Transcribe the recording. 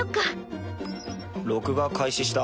ピッ録画開始した。